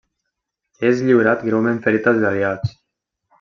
És lliurat greument ferit als aliats.